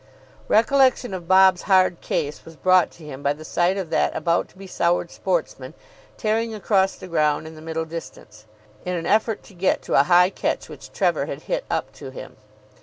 Recollection of Bob's hard case was brought to him by the sight of that about to be soured sportsman tearing across the ground in the middle distance in an effort to get to a high catch which Trevor had hit up to him.